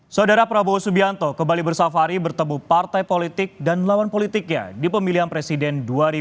saudara prabowo subianto kembali bersafari bertemu partai politik dan lawan politiknya di pemilihan presiden dua ribu sembilan belas